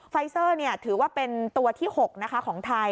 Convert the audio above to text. ไฟเซอร์ถือว่าเป็นตัวที่๖ของไทย